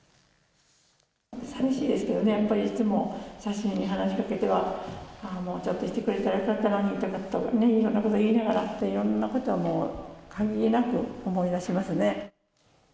寂しいですけどね、やっぱりいつも写真に話しかけては、もうちょっとしてくれたらよかったのにとか、いろんなこと言いながら、いろんなことを限りなく思い出しますね。